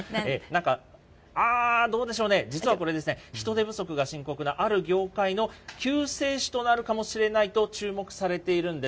ああ、どうでしょうね、実はこれね、人手不足が深刻なある業界の救世主となるかもしれないと注目されているんです。